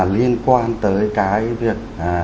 liên quan tới cái việc